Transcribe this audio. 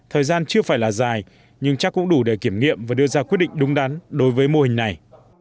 thời gian chưa phải là dài nhưng chắc cũng đủ để kiểm nghiệm và đưa ra quyết định đúng đắn đối với mô hình này